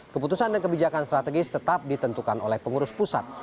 keputusan dan kebijakan strategis tetap ditentukan oleh pengurus pusat